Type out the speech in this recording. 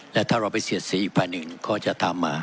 และถ้าเราไปเสียดสีอีกฝ่ายหนึ่งก็จะตามมา